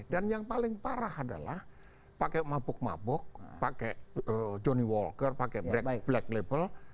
dan yang paling parah adalah pakai mabuk mabuk pakai johnny walker pakai black label